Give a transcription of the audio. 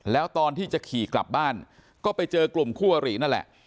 แล้วตอนที่จะขี่กลับบ้านก็ไปเจอกลุ่มคู่อรินั่นแหละ